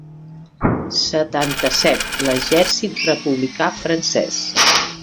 Setanta-set l'exèrcit republicà francès.